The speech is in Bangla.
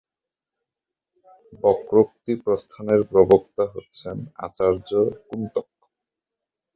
বক্রোক্তিপ্রস্থানের প্রবক্তা হচ্ছেন আচার্য কুন্তক।